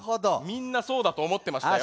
みんなそうだとおもってましたよ。